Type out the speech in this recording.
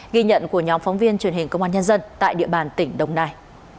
ghi nhận của nhóm phóng viên truyền hình công an nhân dân tại địa bàn tỉnh đồng nai